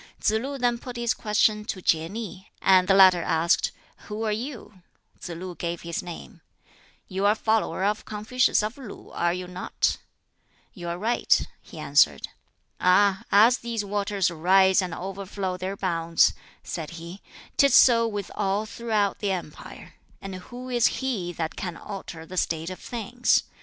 Tsz lu then put his question to Kieh nih; and the latter asked, "Who are you?" Tsz lu gave his name. "You are a follower of Confucius of Lu, are you not?" "You are right," he answered. "Ah, as these waters rise and overflow their bounds," said he, "'tis so with all throughout the empire; and who is he that can alter the state of things?